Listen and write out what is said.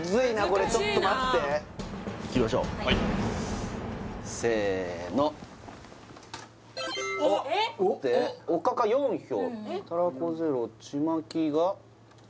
これちょっと待っていきましょうはいせーのおっおかか４票たらこ０ちまきが１？